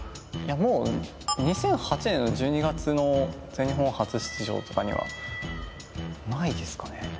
もう２００８年の１２月の全日本初出場とかにはないですかね